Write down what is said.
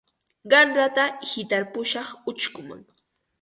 Qanrata hitarpushaq uchkuman.